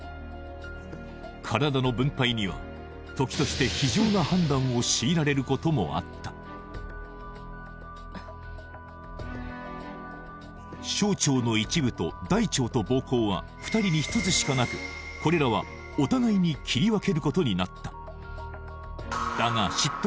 体の分配には時としてを強いられることもあった小腸の一部と大腸と膀胱は２人に１つしかなくこれらはお互いに切り分けることになっただが執刀